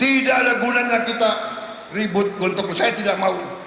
tidak ada gunanya kita ribut gontok saya tidak mau